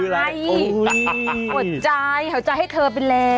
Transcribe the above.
อุ๊ยหัวใจหัวใจให้เธอไปแล้ว